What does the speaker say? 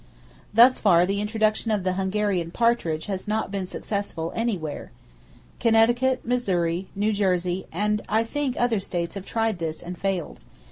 Thus far the introduction of the Hungarian partridge has not been successful, anywhere. Connecticut, Missouri, New Jersey and I think other states have tried this, and failed.